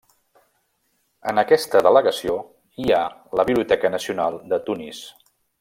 En aquesta delegació, hi ha la Biblioteca Nacional de Tunis.